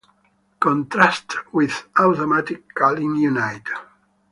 "Contrast with" automatic calling unit.